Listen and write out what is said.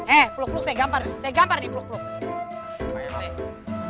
eh peluk peluk saya gambar saya gambar di peluk peluk